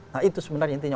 nah itu sebenarnya intinya